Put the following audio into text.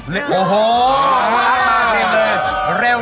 โอ้โหมาเต็มเลย